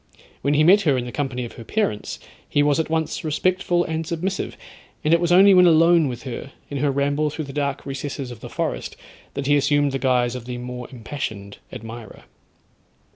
When he met her in the company of her parents, he was at once respectful and submissive, and it was only when alone with her, in her ramble through the dark recesses of the forest, that he assumed the guise of the more impassioned admirer.